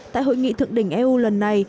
tại hội nghị thượng đỉnh eu lần này